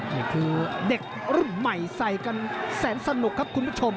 นี่คือเด็กรุ่นใหม่ใส่กันแสนสนุกครับคุณผู้ชม